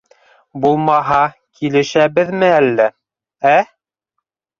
Булмаһа, килешәбеҙме әллә, ә?